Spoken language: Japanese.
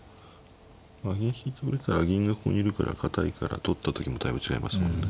銀引いてくれたら銀がここにいるから堅いから取った時も対応違いますもんね。